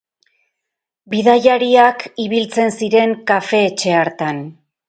Bidaiariak ibiltzen ziren kafe-etxe hartan.